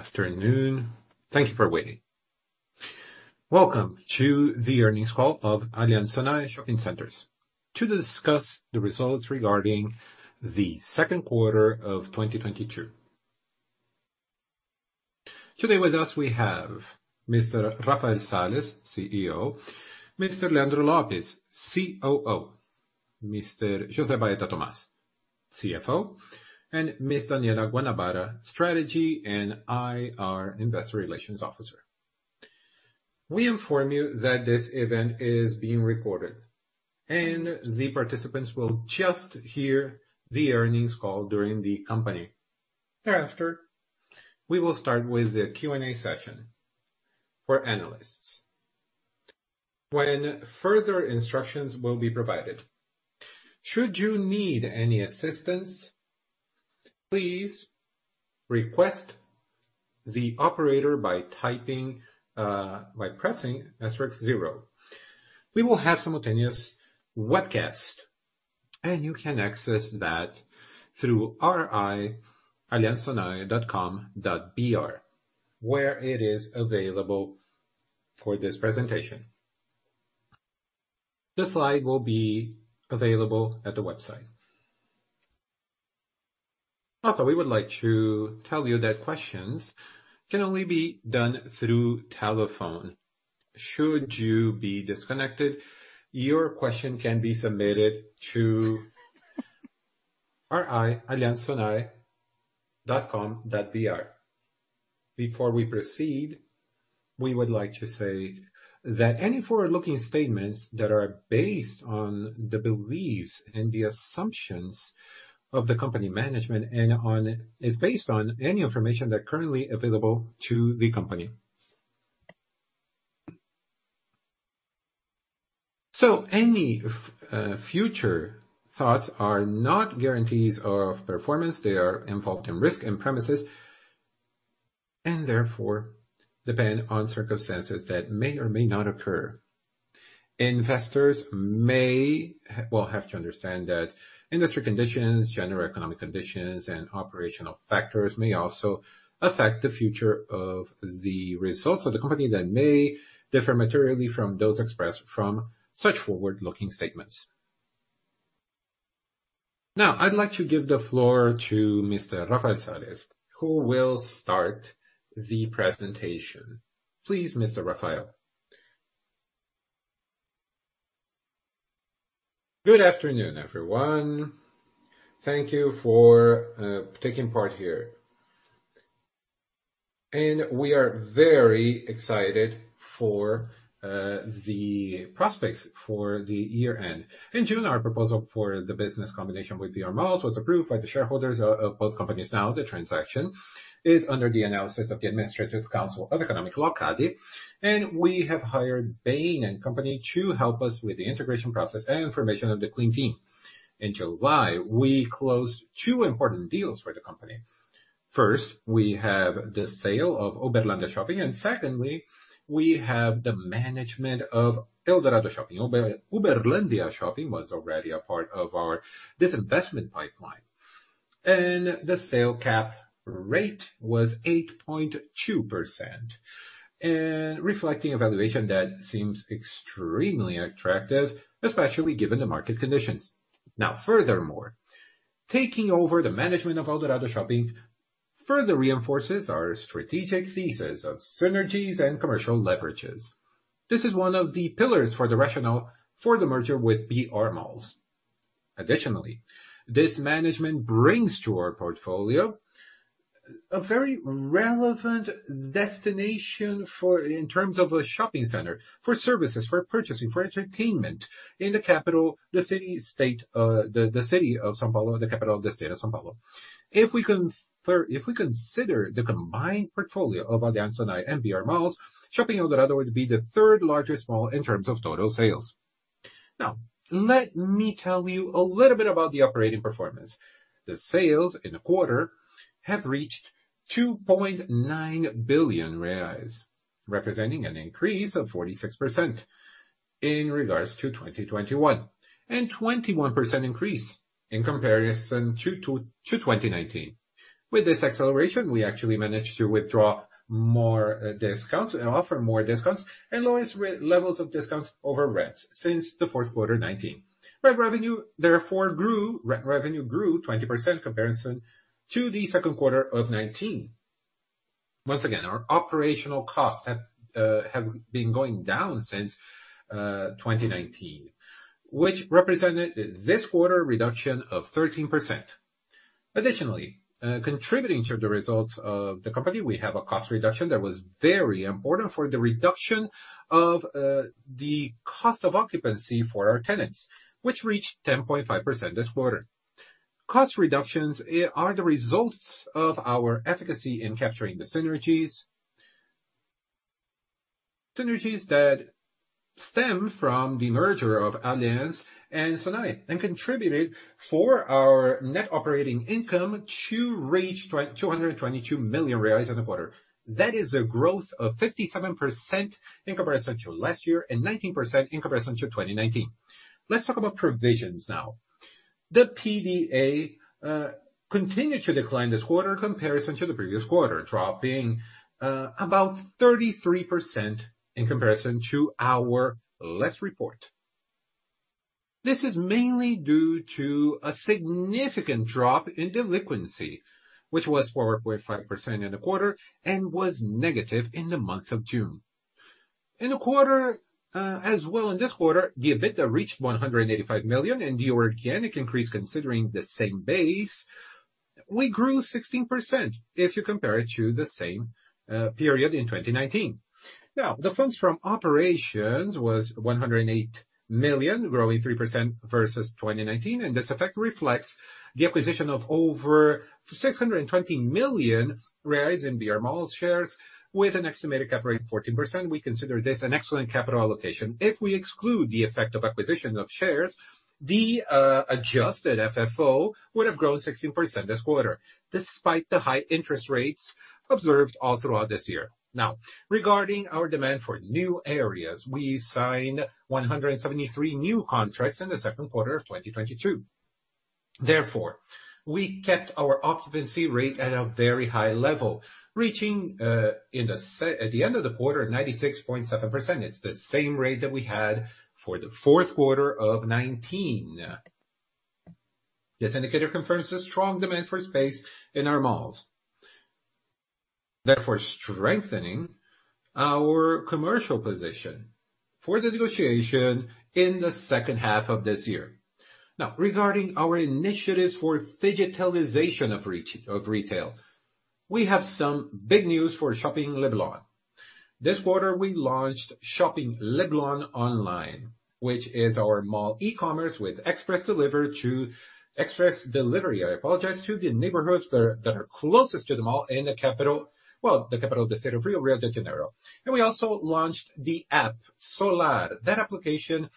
Afternoon. Thank you for waiting. Welcome to the earnings call of Aliansce Sonae to discuss the results regarding the second quarter of 2022. Today with us we have Mr. Rafael Sales, CEO, Mr. Leandro Lopes, COO, Mr. José Baeta Tomás, CFO, and Ms. Daniella Guanabara, Strategy and IR Investor Relations Officer. We inform you that this event is being recorded and the participants will only hear the earnings call for the company. Thereafter, we will start with the Q&A session for analysts when further instructions will be provided. Should you need any assistance, please request the operator by pressing asterisk zero. We will have simultaneous webcast, and you can access that through www.allos.com.br where it is available for this presentation. The slide will be available at the website. Also, we would like to tell you that questions can only be done through telephone. Should you be disconnected, your question can be submitted to alianscesonae.com.br. Before we proceed, we would like to say that any forward-looking statements that are based on the beliefs and the assumptions of the company management and is based on any information that currently available to the company. So any future thoughts are not guarantees of performance. They are involved in risks and uncertainties, and therefore depend on circumstances that may or may not occur. Investors will have to understand that industry conditions, general economic conditions and operational factors may also affect the future results of the company that may differ materially from those expressed in such forward-looking statements. Now, I'd like to give the floor to Mr. Rafael Sales, who will start the presentation. Please, Mr. Rafael. Good afternoon, everyone. Thank you for taking part here. And we are very excited for the prospects for the year-end. In June, our proposal for the business combination with BrMalls was approved by the shareholders of both companies. Now, the transaction is under the analysis of CADE. We have hired Bain & Company to help us with the integration process and formation of the clean team. In July, we closed two important deals for the company. First, we have the sale of Uberlândia Shopping, and secondly, we have the management of Shopping Eldorado. Uberlândia Shopping was already a part of our disinvestment pipeline. The sale cap rate was 8.2% reflecting a valuation that seems extremely attractive, especially given the market conditions. Now, furthermore, taking over the management of Shopping Eldorado further reinforces our strategic thesis of synergies and commercial leverages. This is one of the pillars for the rationale for the merger with BrMalls. Additionally, this management brings to our portfolio a very relevant destination for in terms of a shopping center, for services, for purchasing, for entertainment in the capital, the city state, the city of São Paulo, the capital of the state of São Paulo. If we consider the combined portfolio of Aliansce Sonae and BrMalls, Shopping Eldorado would be the third largest mall in terms of total sales. Now, let me tell you a little bit about the operating performance. The sales in the quarter have reached 2.9 billion reais, representing an increase of 46% in regards to 2021 and 21% increase in comparison to 2019. With this acceleration, we actually managed to withdraw more discounts and lowest levels of discounts over rents since the fourth quarter 2019. Rent revenue therefore grew. Rent revenue grew 20% compared to the second quarter of 2019. Once again, our operational costs have been going down since 2019, which represented this quarter reduction of 13%. Additionally, contributing to the results of the company, we have a cost reduction that was very important for the reduction of the cost of occupancy for our tenants, which reached 10.5% this quarter. Cost reductions are the results of our efficiency in capturing the synergies. Synergies that stem from the merger of Aliansce and Sonae and contributed to our net operating income to reach 222 million reais in the quarter. That is a growth of 57% in comparison to last year and 19% in comparison to 2019. Let's talk about provisions now. The PDD continued to decline this quarter in comparison to the previous quarter, dropping about 33% in comparison to our last report. This is mainly due to a significant drop in delinquency, which was 4.5% in the quarter and was negative in the month of June. In the quarter as well in this quarter, the EBITDA reached 185 million and the organic increase considering the same base, we grew 16% if you compare it to the same period in 2019. Now, the funds from operations was 108 million, growing 3% versus 2019, and this effect reflects the acquisition of over 620 million reais in BrMalls shares with an estimated cap rate of 14%. We consider this an excellent capital allocation. If we exclude the effect of acquisition of shares, the adjusted FFO would have grown 16% this quarter, despite the high interest rates observed all throughout this year. Now, regarding our demand for new areas, we signed 173 new contracts in the second quarter of 2022. Therefore, we kept our occupancy rate at a very high level, reaching at the end of the quarter, 96.7%. It's the same rate that we had for the fourth quarter of 2019. This indicator confirms a strong demand for space in our malls, therefore strengthening our commercial position for the negotiation in the second half of this year. Now, regarding our initiatives for phygitalization of retail, we have some big news for Shopping Leblon. This quarter, we launched Shopping Leblon Online, which is our mall e-commerce with express delivery to the neighborhoods that are closest to the mall in the capital, well, the capital of the state of Rio de Janeiro. We also launched the app Solar. That application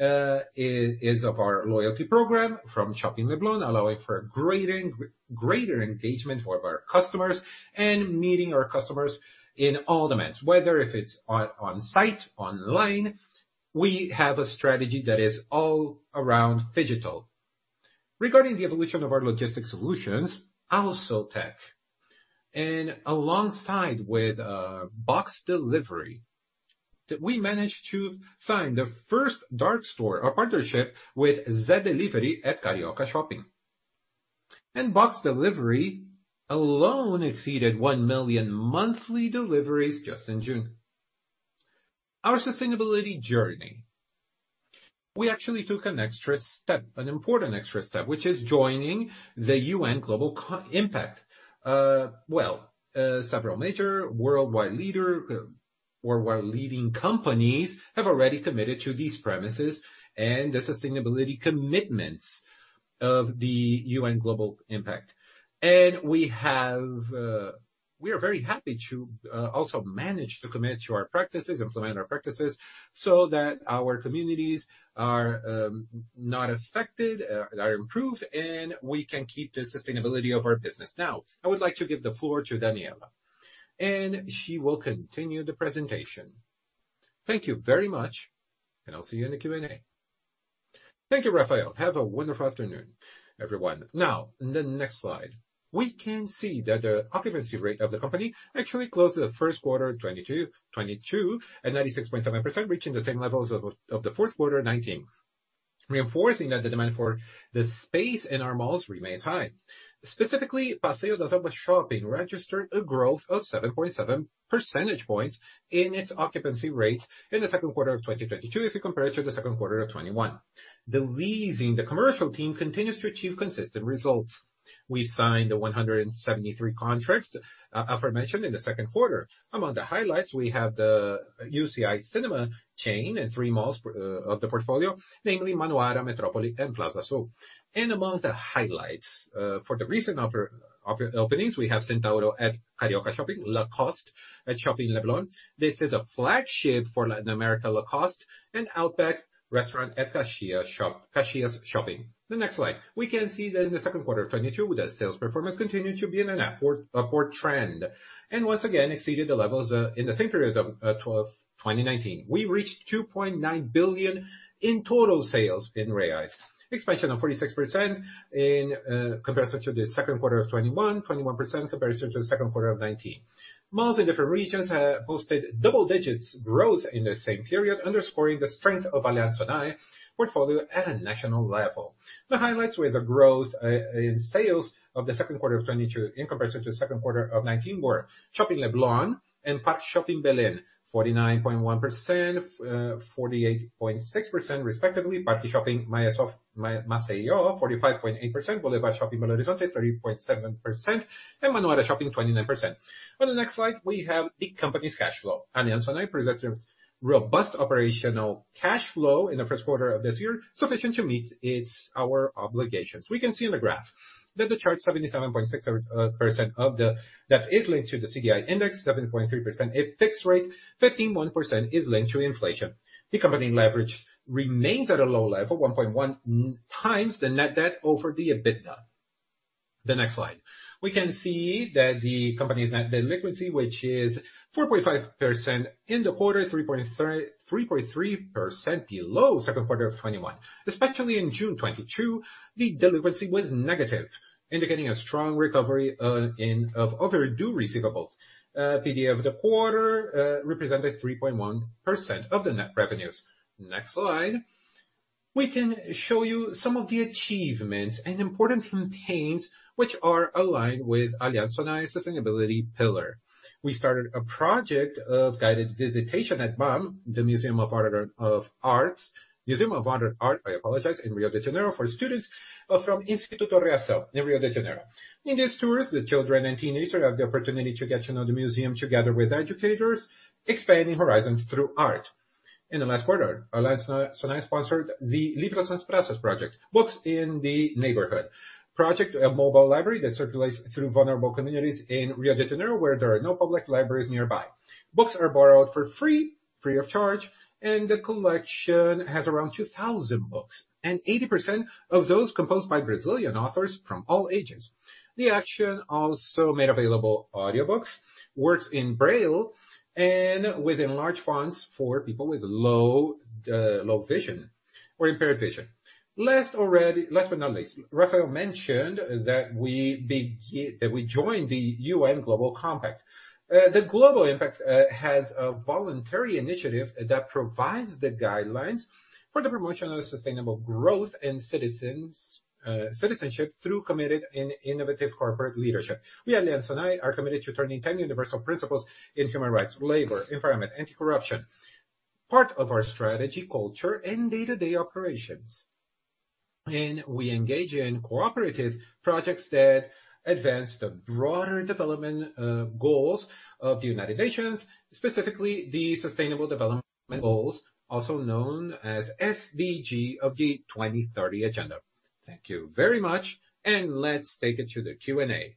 is of our loyalty program from Shopping Leblon, allowing for greater engagement for our customers and meeting our customers in all demands. Whether it's onsite, online, we have a strategy that is all around phygital. Regarding the evolution of our logistic solutions, AllosTech and alongside with Box Delivery, that we managed to sign the first dark store or partnership with Zé Delivery at Carioca Shopping. Box Delivery alone exceeded 1 million monthly deliveries just in June. Our sustainability journey. We actually took an extra step, an important extra step, which is joining the UN Global Compact. Well, several major worldwide leading companies have already committed to these premises and the sustainability commitments of the UN Global Compact. We are very happy to also manage to commit to our practices, implement our practices, so that our communities are not affected, are improved, and we can keep the sustainability of our business. Now, I would like to give the floor to Daniella, and she will continue the presentation. Thank you very much, and I'll see you in the Q&A. Thank you, Rafael. Have a wonderful afternoon, everyone. Now, in the next slide, we can see that the occupancy rate of the company actually closed the first quarter 2022 at 96.7%, reaching the same levels of the fourth quarter 2019. Reinforcing that the demand for the space in our malls remains high. Specifically, Passeio das Águas Shopping registered a growth of 7.7 percentage points in its occupancy rate in the second quarter of 2022, if you compare it to the second quarter of 2021. The leasing, the commercial team continues to achieve consistent results. We signed 173 contracts aforementioned in the second quarter. Among the highlights, we have the UCI Cinemas chain and three malls of the portfolio, namely Manaíra, Shopping Metrópole, and Plaza Sul Shopping. Among the highlights for the recent openings, we have Centauro at Carioca Shopping, Lacoste at Shopping Leblon. This is a flagship for Latin America Lacoste and Outback restaurant at Caxias Shopping. The next slide. We can see that in the second quarter of 2022, the sales performance continued to be in an upward trend, and once again exceeded the levels in the same period of 2019. We reached 2.9 billion in total sales, expansion of 46% in comparison to the second quarter of 2021, 21% comparison to the second quarter of 2019. Malls in different regions have posted double-digit growth in the same period, underscoring the strength of Aliansce Sonae portfolio at a national level. The highlights with the growth in sales of the second quarter of 2022 in comparison to the second quarter of 2019 were Shopping Leblon and Parque Shopping Barueri, 49.1%, 48.6% respectively. Parque Shopping Maceió, 45.8%. Boulevard Shopping Belém, 30.7%. And Manaíra Shopping, 29%. On the next slide, we have the company's cash flow. Aliansce Sonae presents robust operational cash flow in the first quarter of this year, sufficient to meet our obligations. We can see in the graph that the chart 77.6% that is linked to the CDI index, 7.3% is fixed rate, 15.1% is linked to inflation. The company leverage remains at a low level, 1.1x the net debt over the EBITDA. The next slide. We can see that the company's net delinquency, which is 4.5% in the quarter, 3.3% below second quarter of 2021. Especially in June 2022, the delinquency was negative, indicating a strong recovery in overdue receivables. PDD of the quarter represented 3.1% of the net revenues. Next slide. We can show you some of the achievements and important campaigns which are aligned with Aliansce Sonae sustainability pillar. We started a project of guided visitation at MAM, the Museum of Modern Art, in Rio de Janeiro, for students from Instituto Reação in Rio de Janeiro. In these tours, the children and teenagers have the opportunity to get to know the museum together with educators, expanding horizons through art. In the last quarter, Aliansce Sonae sponsored the Livros nas Praças project, books in the neighborhood. Project a mobile library that circulates through vulnerable communities in Rio de Janeiro, where there are no public libraries nearby. Books are borrowed for free of charge, and the collection has around 2,000 books, and 80% of those composed by Brazilian authors from all ages. The action also made available audiobooks, works in braille, and with enlarged fonts for people with low vision or impaired vision. Last but not least, Rafael mentioned that we joined the UN Global Compact. The Global Compact has a voluntary initiative that provides the guidelines for the promotion of sustainable growth and citizenship through committed and innovative corporate leadership. We at Aliansce Sonae are committed to turning ten universal principles in human rights, labor, environment, anti-corruption, part of our strategy, culture, and day-to-day operations. We engage in cooperative projects that advance the broader development goals of the United Nations, specifically the Sustainable Development Goals, also known as SDGs of the 2030 agenda. Thank you very much, and let's take it to the Q&A.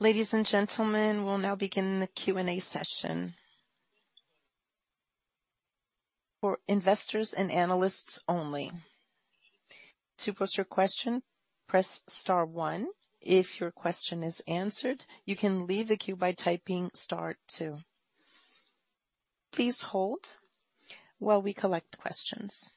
Ladies and gentlemen, we'll now begin the Q&A session for investors and analysts only. To pose your question, press star one. If your question is answered, you can leave the queue by typing star two. Please hold while we collect questions.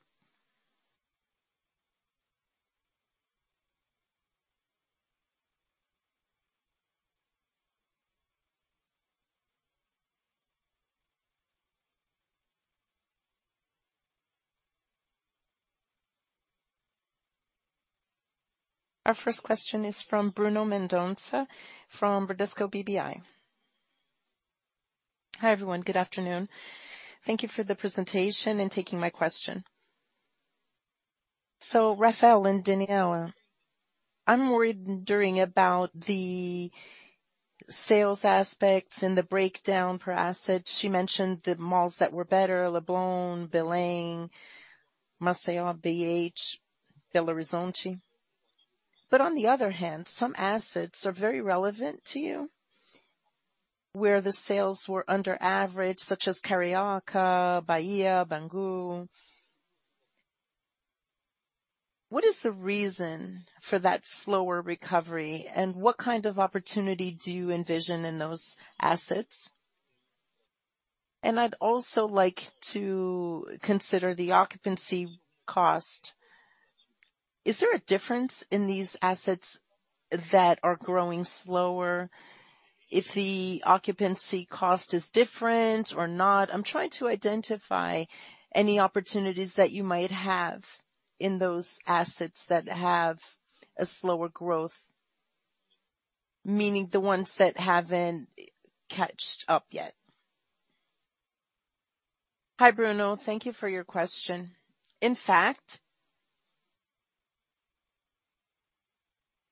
Our first question is from Bruno Mendonça from Bradesco BBI. Hi, everyone. Good afternoon. Thank you for the presentation and taking my question. So Rafael and Daniela, I'm wondering about the sales aspects and the breakdown per asset. She mentioned the malls that were better, Leblon, Belém, Maceió, BH, Belo Horizonte. But on the other hand, some assets are very relevant to you, where the sales were under average, such as Carioca, Bahia, Bangu. What is the reason for that slower recovery, and what kind of opportunity do you envision in those assets? And I'd also like to consider the occupancy cost. Is there a difference in these assets that are growing slower if the occupancy cost is different or not? I'm trying to identify any opportunities that you might have in those assets that have a slower growth, meaning the ones that haven't caught up yet. Hi, Bruno. Thank you for your question. In fact,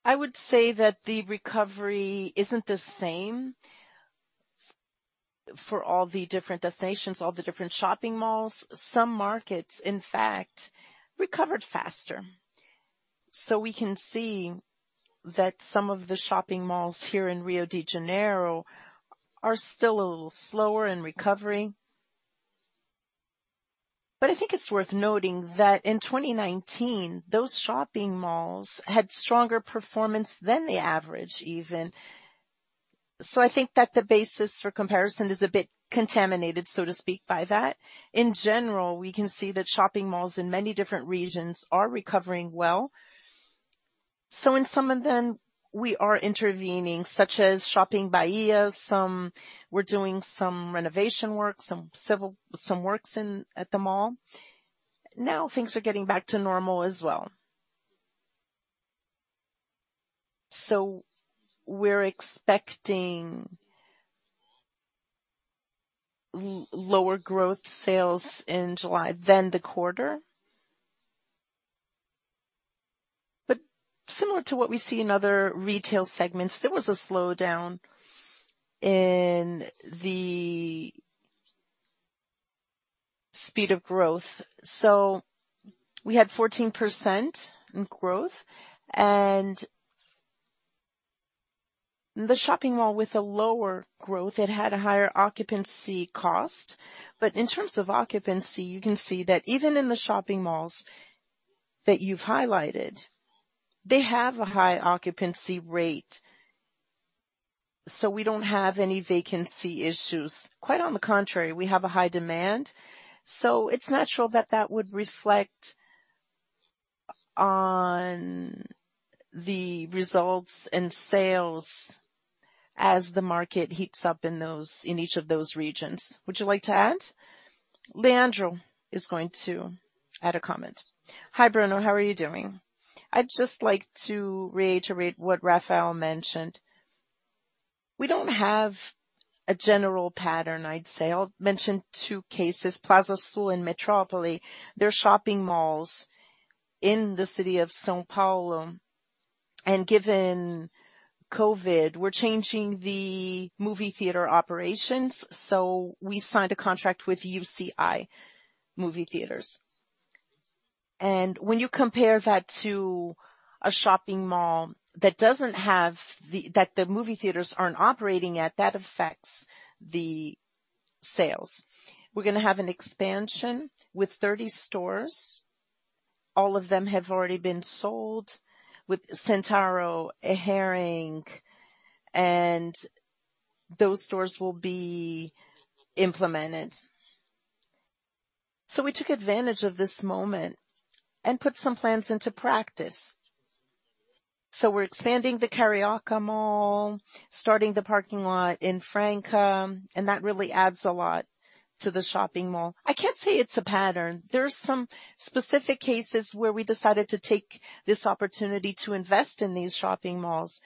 I would say that the recovery isn't the same for all the different destinations, all the different shopping malls. Some markets, in fact, recovered faster. We can see that some of the shopping malls here in Rio de Janeiro are still a little slower in recovery. I think it's worth noting that in 2019, those shopping malls had stronger performance than the average even. I think that the basis for comparison is a bit contaminated, so to speak, by that. In general, we can see that shopping malls in many different regions are recovering well. In some of them we are intervening, such as Shopping da Bahia, we're doing some renovation work, some civil, some works at the mall. Now, things are getting back to normal as well. We're expecting lower growth sales in July than the quarter. But similar to what we see in other retail segments, there was a slowdown in the speed of growth. We had 14% in growth. And the shopping mall with a lower growth, it had a higher occupancy cost. But in terms of occupancy, you can see that even in the shopping malls that you've highlighted, they have a high occupancy rate. We don't have any vacancy issues. Quite on the contrary, we have a high demand, so it's natural that that would reflect on the results and sales as the market heats up in those in each of those regions. Would you like to add? Leandro is going to add a comment. Hi, Bruno. How are you doing? I'd just like to reiterate what Rafael mentioned. We don't have a general pattern, I'd say. I'll mention two cases, Plaza Sul and Metrópole. They're shopping malls in the city of São Paulo, and given COVID, we're changing the movie theater operations. So we signed a contract with UCI movie theaters. And when you compare that to a shopping mall that the movie theaters aren't operating at, that affects the sales. We're gonna have an expansion with 30 stores. All of them have already been sold with Centauro, Hering, and those stores will be implemented. So we took advantage of this moment and put some plans into practice. So we're expanding the Carioca mall, starting the parking lot in Franca, and that really adds a lot to the shopping mall. I can't say it's a pattern. There are some specific cases where we decided to take this opportunity to invest in these shopping malls,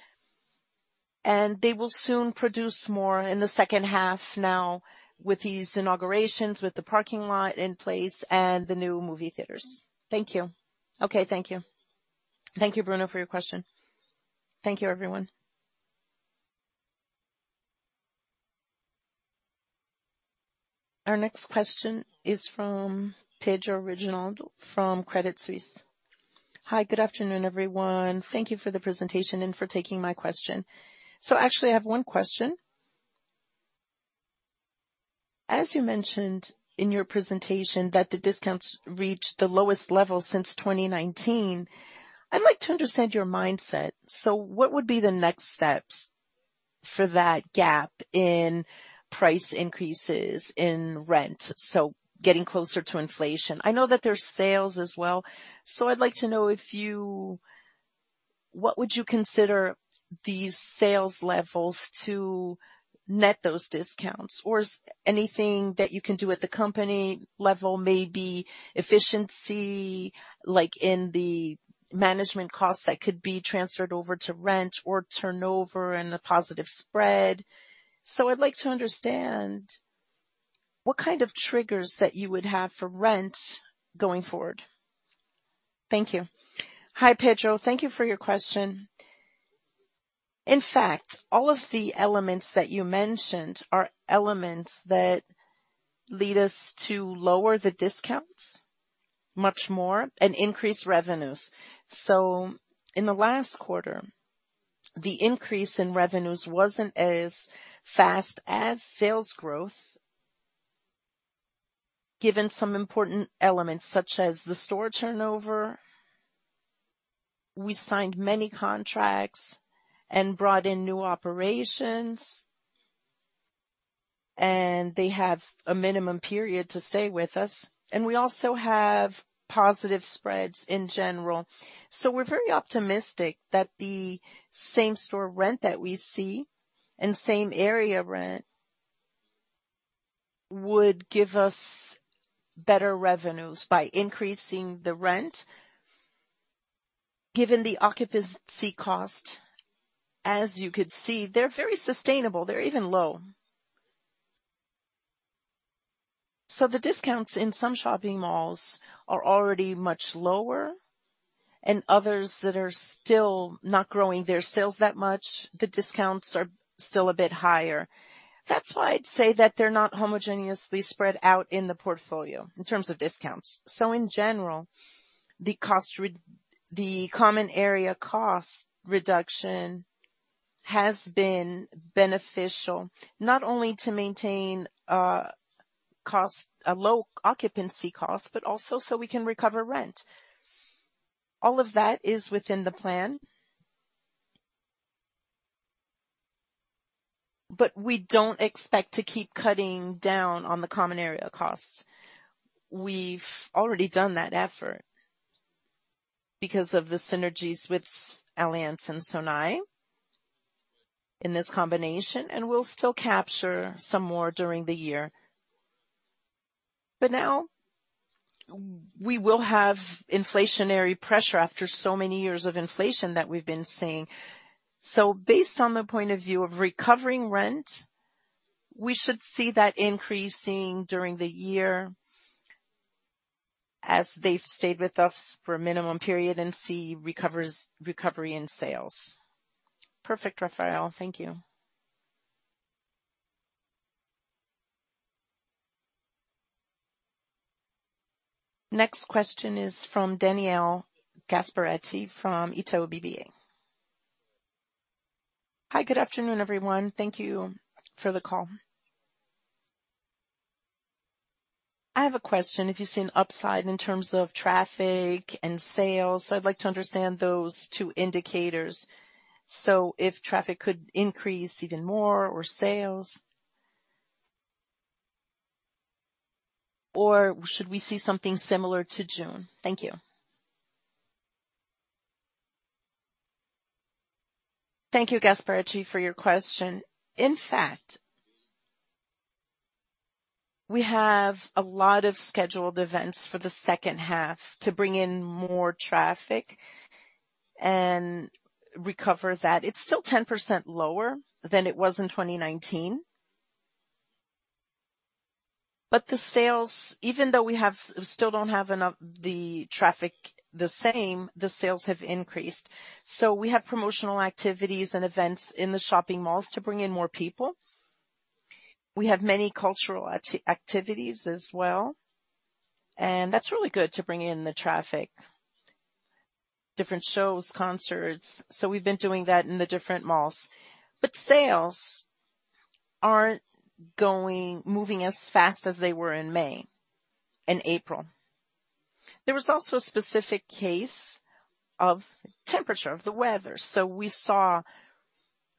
and they will soon produce more in the second half now with these inaugurations, with the parking lot in place and the new movie theaters. Thank you. Okay, thank you. Thank you, Bruno, for your question. Thank you, everyone. Our next question is from Pedro Hajnal from Credit Suisse. Hi, good afternoon, everyone. And thank you for the presentation and for taking my question. So actually, I have one question. As you mentioned in your presentation that the discounts reached the lowest level since 2019, I'd like to understand your mindset. So what would be the next steps for that gap in price increases in rent? So getting closer to inflation. I know that there's sales as well, so I'd like to know what would you consider these sales levels to net those discounts? Or is anything that you can do at the company level, maybe efficiency, like in the management costs that could be transferred over to rent or turnover and a positive spread. So I'd like to understand what kind of triggers that you would have for rent going forward. Thank you. Hi, Pedro. Thank you for your question. In fact, all of the elements that you mentioned are elements that lead us to lower the discounts much more and increase revenues. So in the last quarter, the increase in revenues wasn't as fast as sales growth, given some important elements such as the store turnover. We signed many contracts and brought in new operations, and they have a minimum period to stay with us, and we also have positive spreads in general. So we're very optimistic that the same-store rent that we see and same area rent would give us better revenues by increasing the rent. Given the occupancy cost, as you could see, they're very sustainable. They're even low. So the discounts in some shopping malls are already much lower, and others that are still not growing their sales that much, the discounts are still a bit higher. That's why I'd say that they're not homogeneously spread out in the portfolio in terms of discounts. In general, the common area cost reduction has been beneficial, not only to maintain a low occupancy cost, but also so we can recover rent. All of that is within the plan. But we don't expect to keep cutting down on the common area costs. We've already done that effort because of the synergies with Aliansce and Sonae in this combination, and we'll still capture some more during the year. But now we will have inflationary pressure after so many years of inflation that we've been seeing. So based on the point of view of recovering rent, we should see that increasing during the year as they've stayed with us for a minimum period and see recovery in sales. Perfect, Rafael. Thank you. Next question is from Daniel Gasparete from Itaú BBA. Hi, good afternoon, everyone. Thank you for the call. I have a question. Do you see an upside in terms of traffic and sales? So I'd like to understand those two indicators. So if traffic could increase even more or sales? Or should we see something similar to June? Thank you. Thank you, Gasparete, for your question. In fact, we have a lot of scheduled events for the second half to bring in more traffic and recover that. It's still 10% lower than it was in 2019. But the sales, even though we still don't have the traffic the same, the sales have increased. We have promotional activities and events in the shopping malls to bring in more people. We have many cultural activities as well, and that's really good to bring in the traffic, different shows, concerts. So we've been doing that in the different malls. But sales aren't moving as fast as they were in May and April. There was also a specific case of temperature, of the weather. So we saw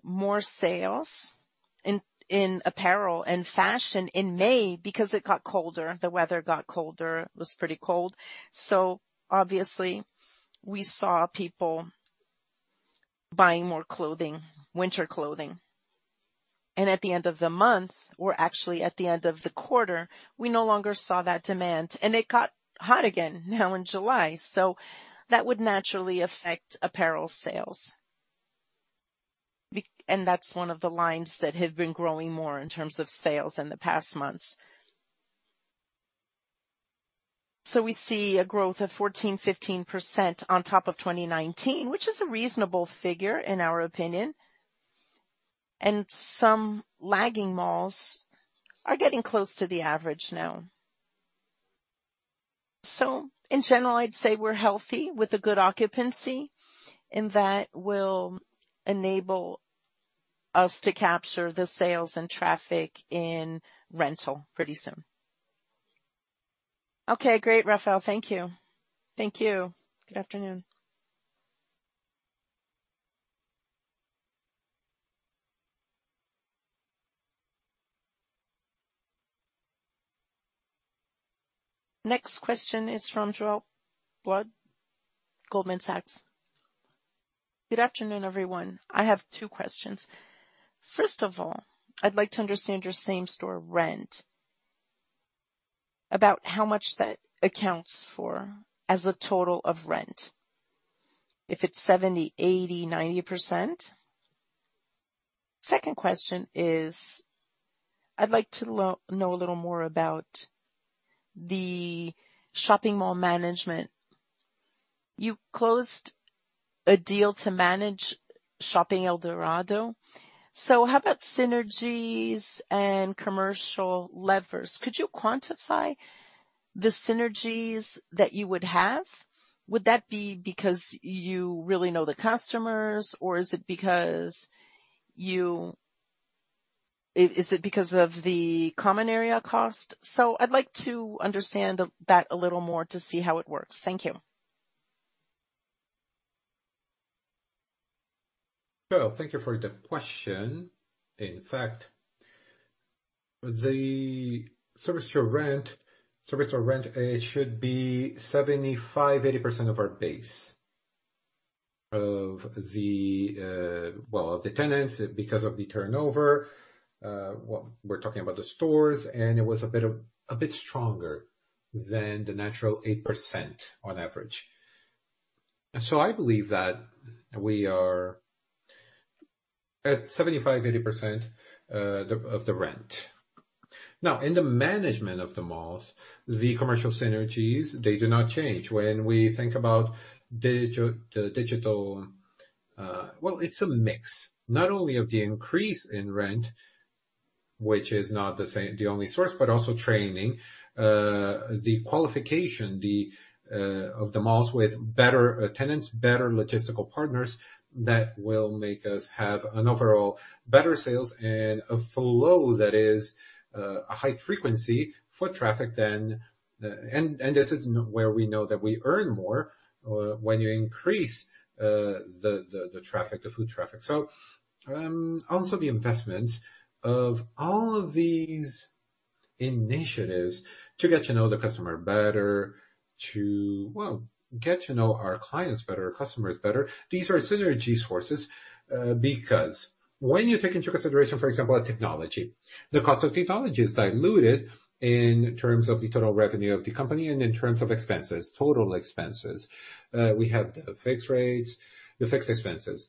more sales in apparel and fashion in May because the weather got colder, it was pretty cold. So obviously we saw people buying more clothing, winter clothing. And at the end of the month, or actually at the end of the quarter, we no longer saw that demand. It got hot again now in July. So that would naturally affect apparel sales. And that's one of the lines that have been growing more in terms of sales in the past months. So we see a growth of 14%-15% on top of 2019, which is a reasonable figure in our opinion. And some lagging malls are getting close to the average now. So in general, I'd say we're healthy with a good occupancy, and that will enable us to capture the sales and traffic in rental pretty soon. Okay, great, Rafael. Thank you. Thank you. Good afternoon. Next question is from Jorel Guilloty, Goldman Sachs. Good afternoon, everyone. I have two questions. First of all, I'd like to understand your same-store rent, about how much that accounts for as a total of rent, if it's 70%, 80%, 90%. Second question is, I'd like to know a little more about the shopping mall management. You closed a deal to manage Shopping Eldorado. So how about synergies and commercial levers? Could you quantify the synergies that you would have? Would that be because you really know the customers, or is it because of the common area cost? So I'd like to understand that a little more to see how it works. Thank you. Jorel, thank you for the question. In fact, the same-store rent, it should be 75%-80% of our base of the tenants because of the turnover, we're talking about the stores, and it was a bit stronger than the natural 8% on average. And so I believe that we are at 75%-80% of the rent. Now, in the management of the malls, the commercial synergies, they do not change. When we think about the digital, it's a mix. Not only of the increase in rent, which is not the same, the only source, but also training, the qualification of the malls with better tenants, better logistical partners, that will make us have an overall better sales and a flow that is a high frequency foot traffic than. And this is where we know that we earn more when you increase the traffic, the foot traffic. So also the investment of all of these initiatives to get to know the customer better, get to know our clients better, our customers better. These are synergy sources because when you take into consideration, for example, a technology, the cost of technology is diluted in terms of the total revenue of the company and in terms of expenses, total expenses. We have the fixed rates, the fixed expenses.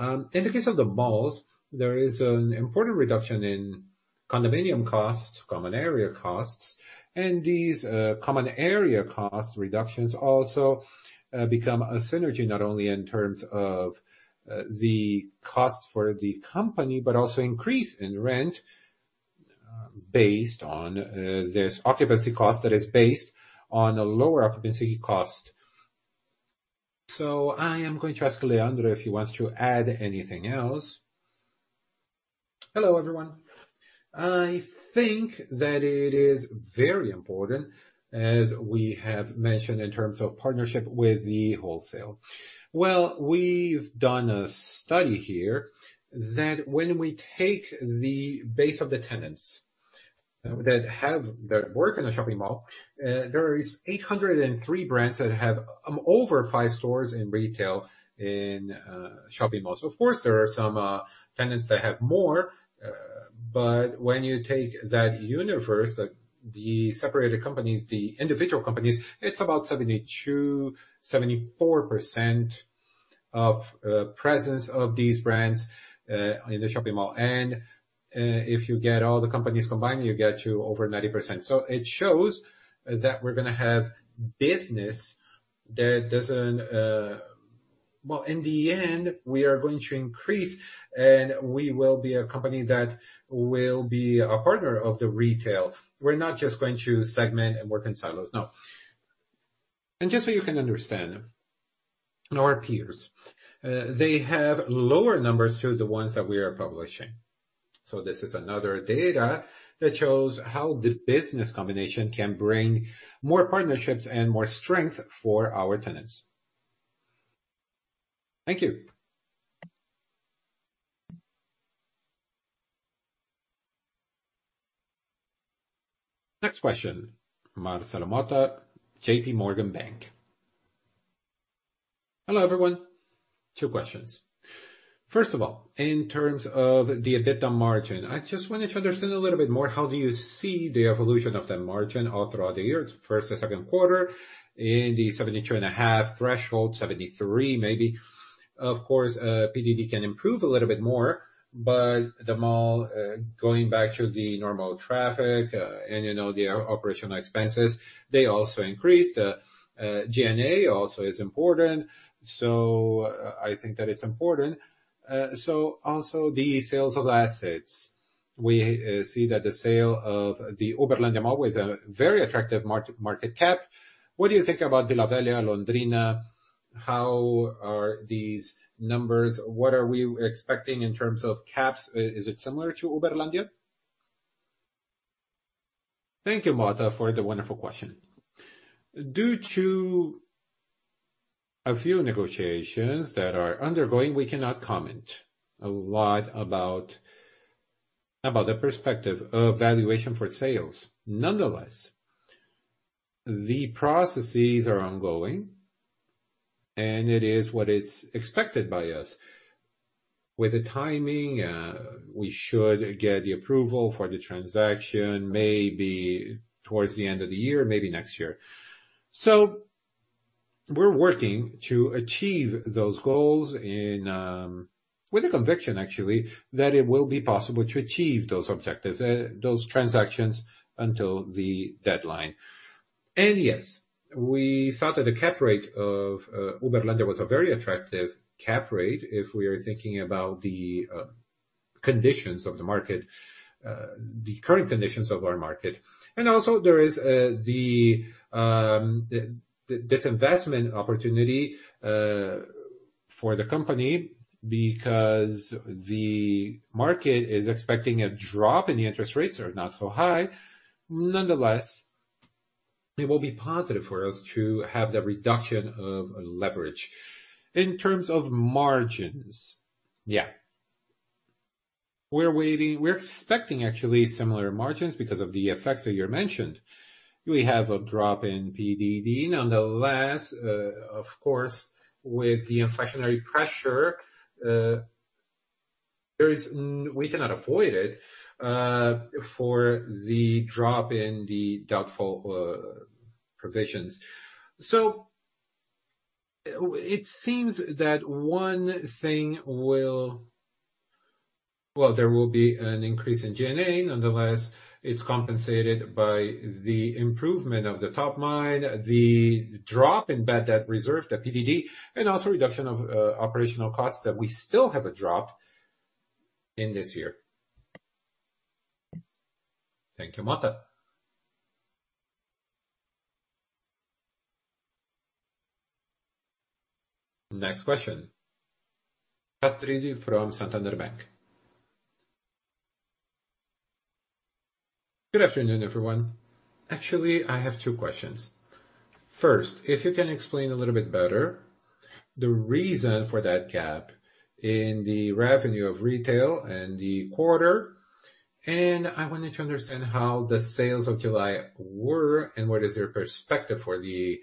In the case of the malls, there is an important reduction in condominium costs, common area costs. These common area cost reductions also become a synergy, not only in terms of the cost for the company, but also increase in rent. Based on this occupancy cost that is based on a lower occupancy cost. So I am going to ask Leandro if he wants to add anything else. Hello, everyone. I think that it is very important, as we have mentioned in terms of partnership with the wholesale. Well, we've done a study here that when we take the base of the tenants that work in a shopping mall, there is 803 brands that have over five stores in retail in shopping malls. Of course, there are some tenants that have more, but when you take that universe, the separated companies, the individual companies, it's about 72%-74% of presence of these brands in the shopping mall. And if you get all the companies combined, you get to over 90%. So it shows that we're gonna have business that doesn't. Well, in the end, we are going to increase, and we will be a company that will be a partner of the retail. We're not just going to segment and work in silos. No. And just so you can understand, our peers, they have lower numbers than the ones that we are publishing. So this is another data that shows how this business combination can bring more partnerships and more strength for our tenants. Thank you. Next question, Marcelo Motta, JPMorgan bank. Hello, everyone. Two questions. First of all, in terms of the EBITDA margin, I just wanted to understand a little bit more, how do you see the evolution of that margin all throughout the year? First and second quarter in the 72.5% threshold, 73% maybe. Of course, PDD can improve a little bit more, but the mall going back to the normal traffic, and you know, the operational expenses, they also increased. G&A also is important. I think that it's important. So also the sales of assets. We see that the sale of the Uberlândia mall with a very attractive cap rate. What do you think about Vila Velha, Londrina? How are these numbers? What are we expecting in terms of cap rates? Is it similar to Uberlândia? Thank you, Motta, for the wonderful question. Due to a few negotiations that are undergoing, we cannot comment a lot about the perspective of valuation for sales. Nonetheless, the processes are ongoing, and it is what is expected by us. With the timing, we should get the approval for the transaction maybe towards the end of the year, maybe next year. So we're working to achieve those goals and, with a conviction, actually, that it will be possible to achieve those objectives, those transactions until the deadline. And yes, we thought that the cap rate of Uberlândia was a very attractive cap rate if we are thinking about the conditions of the market, the current conditions of our market. And also there is this investment opportunity for the company because the market is expecting a drop and the interest rates are not so high. Nonetheless, it will be positive for us to have the reduction of leverage. In terms of margins, yeah. We're expecting actually similar margins because of the effects that you mentioned. We have a drop in PDD. Nonetheless, of course, with the inflationary pressure, we cannot avoid it for the drop in the doubtful provisions. So it seems that one thing will. Well, there will be an increase in G&A. Nonetheless, it's compensated by the improvement of the top line, the drop in bad debt reserve, the PDD, and also reduction of operational costs that we still have a drop in this year. Thank you, Motta. Next question. Castrucci from Santander Bank. Good afternoon, everyone. Actually, I have two questions. First, if you can explain a little bit better the reason for that gap in the revenue of retail and the quarter. I wanted to understand how the sales of July were and what is your perspective for the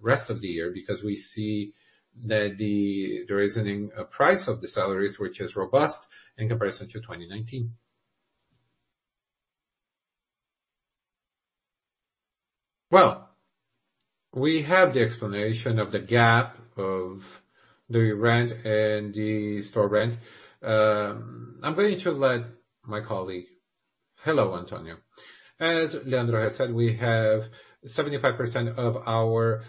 rest of the year, because we see that the rising sales, which is robust in comparison to 2019. Well, we have the explanation of the gap of the rent and the same-store rent. I'm going to let my colleague. Hello, Antonio. As Leandro has said, we have 75% of our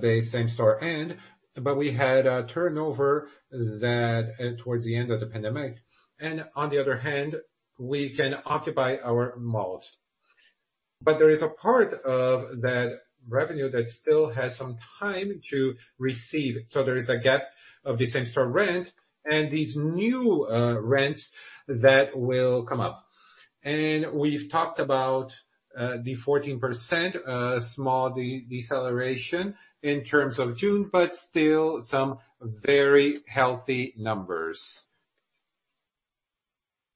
base same-store rent, but we had a turnover that towards the end of the pandemic. And on the other hand, we can occupy our malls. But there is a part of that revenue that still has some time to receive. So there is a gap of the same-store rent and these new rents that will come up. And we've talked about the 14% small deceleration in terms of June, but still some very healthy numbers.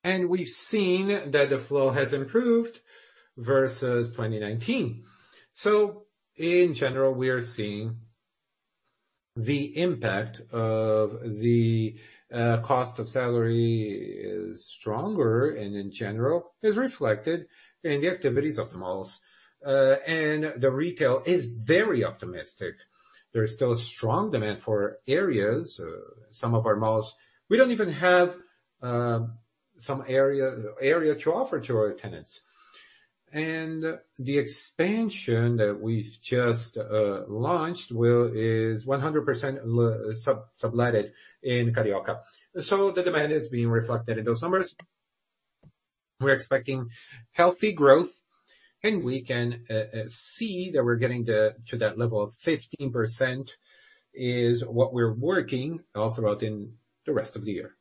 And we've seen that the flow has improved versus 2019. So in general, we are seeing the impact of the cost of salary is stronger, and in general is reflected in the activities of the malls. And the retail is very optimistic. There's still strong demand for areas. Some of our malls, we don't even have some area to offer to our tenants. And the expansion that we've just launched is 100% subletted in Carioca. So the demand is being reflected in those numbers. We're expecting healthy growth, and we can see that we're getting to that level of 15% is what we're working all throughout in the rest of the year.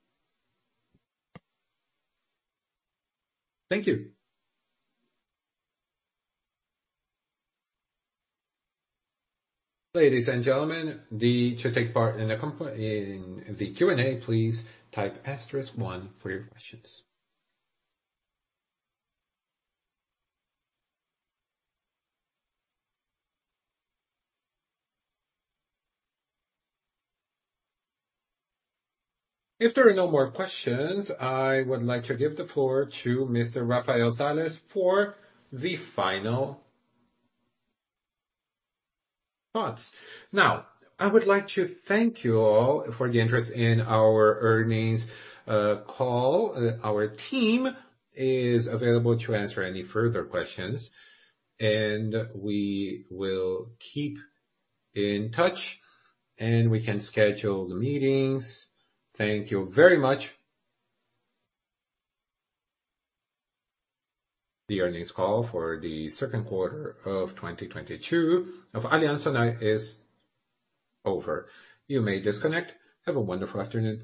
Thank you. Ladies and gentlemen, to take part in the Q&A, please type asterisk one for your questions. If there are no more questions, I would like to give the floor to Mr. Rafael Sales for the final thoughts. Now, I would like to thank you all for the interest in our earnings call. Our team is available to answer any further questions, and we will keep in touch, and we can schedule the meetings. Thank you very much. The earnings call for the second quarter of 2022 of Allos is over. You may disconnect. Have a wonderful afternoon.